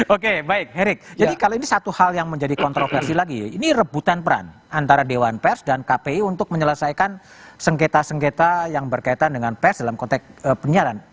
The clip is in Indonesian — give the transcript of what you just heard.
oke baik jadi kalau ini satu hal yang menjadi kontroversi lagi ini rebutan peran antara dewan pers dan kpi untuk menyelesaikan sengketa sengketa yang berkaitan dengan pers dalam konteks penyiaran